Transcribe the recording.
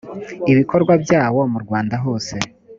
ibikorwa byawo mu rwanda hose